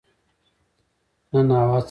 نن هوا څنګه ده؟